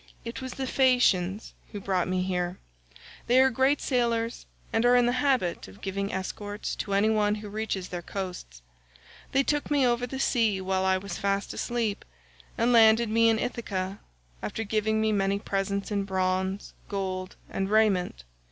"It was the Phaeacians who brought me here. They are great sailors, and are in the habit of giving escorts to any one who reaches their coasts. They took me over the sea while I was fast asleep, and landed me in Ithaca, after giving me many presents in bronze, gold, and raiment.